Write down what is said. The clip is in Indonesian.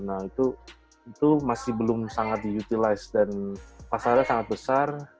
nah itu masih belum sangat diutilize dan pasarnya sangat besar